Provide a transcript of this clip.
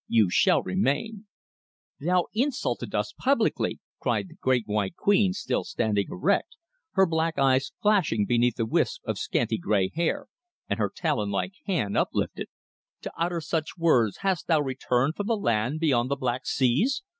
You shall remain " "Thou insultest us publicly," cried the Great White Queen, still standing erect, her black eyes flashing beneath the wisp of scanty grey hair, and her talon like hand uplifted. "To utter such words hast thou returned from the land beyond the black seas?